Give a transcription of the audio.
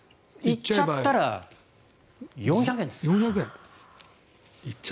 行っちゃったら４００円。